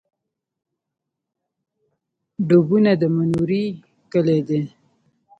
ډبونه د منورې کلی دی